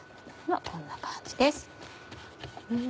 こんな感じです。